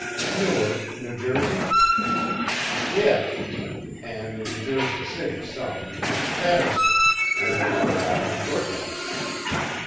"Newark, New Jersey?" "Yes. An' in Jersey City some, and Paterson, and a little while in Brooklyn."